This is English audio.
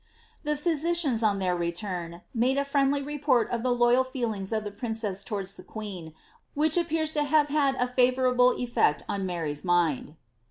The physicians, on their return, made a friendly report of the loyal feelings of the princess towards the queen, which appears to liave had a favourable effect on Mary^s mind.